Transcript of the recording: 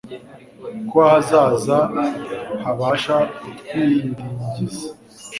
ko ahazaza habasha kutwiringiza